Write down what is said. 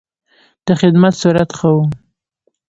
د خدمت سرعت ښه و.